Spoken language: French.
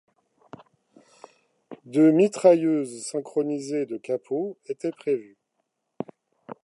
Deux mitrailleuses synchronisées de capot étaient prévues.